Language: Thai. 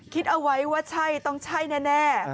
คิดเอาไว้ว่าใช่ต้องใช่แน่